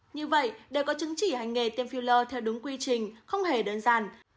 như vậy đều có chứng chỉ hành nghề tiêm filler theo đúng quy trình không hề đơn giản